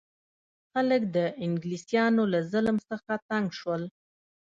خلک د انګلیسانو له ظلم څخه تنګ شول.